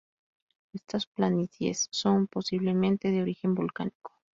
Estas planicies son posiblemente de origen volcánico.